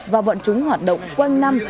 và vận chúng hoạt động quanh năm